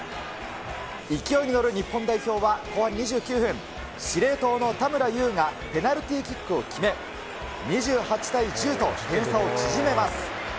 勢いに乗る日本代表は後半２９分、司令塔の田村優がペナルティーキックを決め、２８対１０と、点差を縮めます。